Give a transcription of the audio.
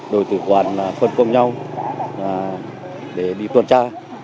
đội tù quản phân công nhau để đi tuần tra